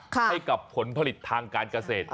ให้กับผลผลิตทางการเกษตร